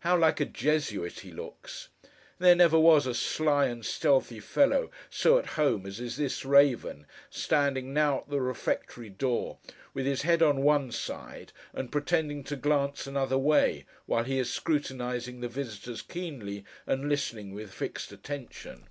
How like a Jesuit he looks! There never was a sly and stealthy fellow so at home as is this raven, standing now at the refectory door, with his head on one side, and pretending to glance another way, while he is scrutinizing the visitors keenly, and listening with fixed attention.